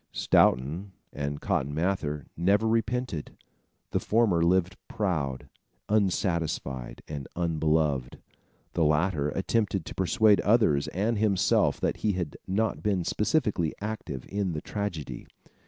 Stoughton and Cotton Mather never repented. The former lived proud, unsatisfied and unbeloved. The latter attempted to persuade others and himself that he had not been specially active in the tragedy.